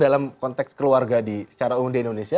dalam konteks keluarga secara umum di indonesia